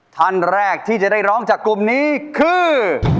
ท่านแรกที่จะได้ร้องจากกลุ่มนี้คือ